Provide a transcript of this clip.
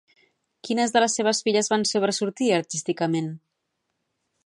Quines de les seves filles van sobresortir artísticament?